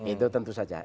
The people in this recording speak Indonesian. itu tentu saja